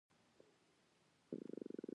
بدرنګه نیت د خیر مخه نیسي